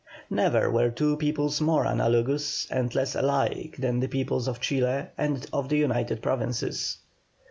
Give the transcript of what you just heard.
Never were two peoples more analogous and less alike than the peoples of Chile and of the United Provinces.